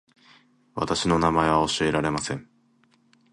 私の名前は教えられません